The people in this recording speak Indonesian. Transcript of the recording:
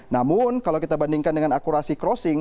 namun kalau kita bandingkan dengan akurasi crossing